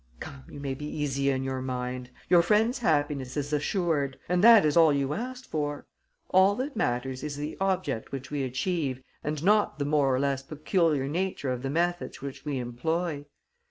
Come, you may be easy in your mind. Your friend's happiness is assured; and that is all you asked for. All that matters is the object which we achieve and not the more or less peculiar nature of the methods which we employ.